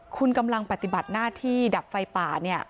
คุณกำลังปฏิบัติหน้าที่ดับไฟป่าเนี่ย